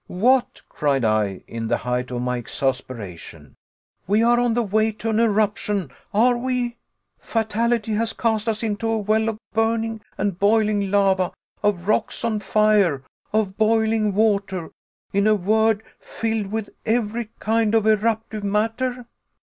"What!" cried I, in the height of my exasperation, "we are on the way to an eruption, are we? Fatality has cast us into a well of burning and boiling lava, of rocks on fire, of boiling water, in a word, filled with every kind of eruptive matter?